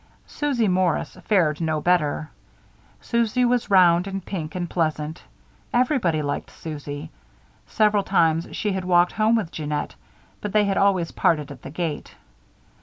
Susie Morris fared no better. Susie was round and pink and pleasant. Everybody liked Susie. Several times she had walked home with Jeanne; but they had always parted at the gate.